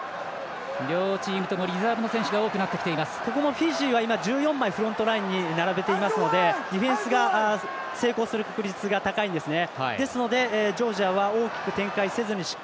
フィジーは１４枚フロントラインに並べていますのでディフェンスが成功する確率が高いんですね。